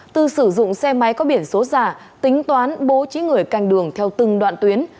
từ sử dụng xe máy có biển số giả tính toán bố trí người canh đường theo từng đoạn tuyến